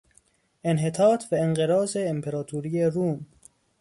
انحطاط و انقراض امپراطوری روم